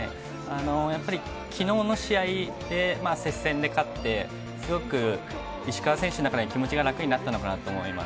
やっぱりきのうの試合で接戦で勝って、すごく石川選手の中の気持ちが楽になったのかなと思います。